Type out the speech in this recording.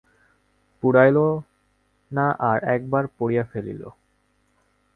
পুড়াইল না, আর-একবার পড়িয়া ফেলিল।